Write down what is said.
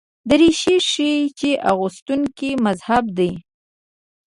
دریشي ښيي چې اغوستونکی مهذب دی.